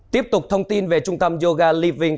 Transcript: tiếp tục thông tin về trung tâm yoga living